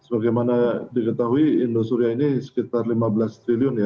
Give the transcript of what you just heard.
sebagaimana diketahui indosuria ini sekitar lima belas triliun ya